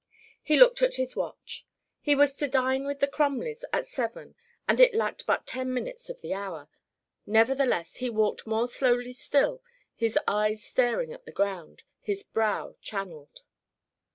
He looked at his watch. He was to dine with the Crumleys at seven and it lacked but ten minutes of the hour; nevertheless he walked more slowly still, his eyes staring at the ground, his brow channeled.